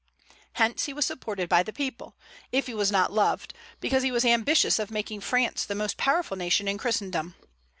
Hence he was supported by the people, if he was not loved, because he was ambitious of making France the most powerful nation in Christendom.